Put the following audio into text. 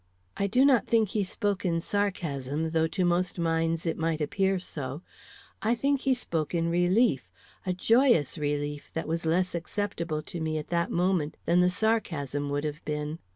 I do not think he spoke in sarcasm, though to most minds it might appear so. I think he spoke in relief, a joyous relief, that was less acceptable to me at that moment than the sarcasm would have been.